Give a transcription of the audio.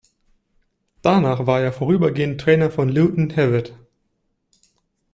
Danach war er vorübergehend Trainer von Lleyton Hewitt.